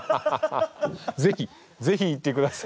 ぜひぜひ行ってください。